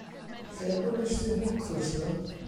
Lle brynist ti'r mwclis 'na?